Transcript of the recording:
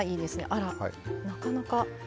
あらなかなか。